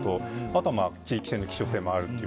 あと地域性、希少性もある。